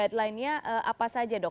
deadline nya apa saja dok